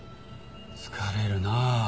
疲れるな。